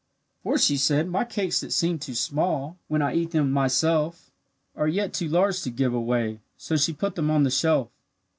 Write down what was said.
For she said, "My cakes that seem too small, When I eat them myself, Are yet too large to give away." So she put them on the shelf.